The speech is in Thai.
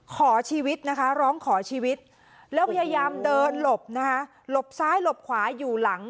ขอชีวิตนะคะร้องขอชีวิตแล้วพยายามเดินหลบนะคะหลบซ้ายหลบขวาอยู่หลัง